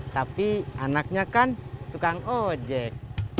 tapi anaknya kan tukang ojek